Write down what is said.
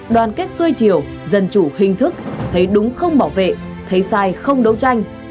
đoàn kết xuôi chiều dân chủ hình thức thấy đúng không bảo vệ thấy sai không đấu tranh